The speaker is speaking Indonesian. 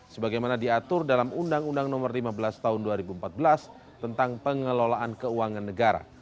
sebagaimana diatur dalam undang undang nomor lima belas tahun dua ribu empat belas tentang pengelolaan keuangan negara